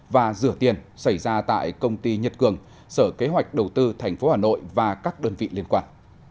và rửa tiền xảy ra tại công ty nhật cường sở kế hoạch đầu tư tp hà nội và các đơn vị liên quan